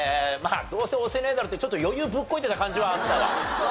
「どうせ押せねえだろ」って余裕ぶっこいてた感じはあったわ。